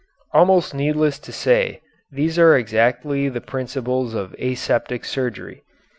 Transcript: Almost needless to say these are exactly the principles of aseptic surgery.